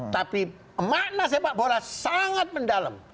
tapi makna sepak bola sangat mendalam